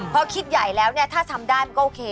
พอคิดใหญ่แล้วเนี่ยถ้าทำได้มันก็โอเค